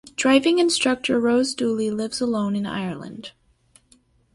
Driving instructor Rose Dooley lives alone in Ireland.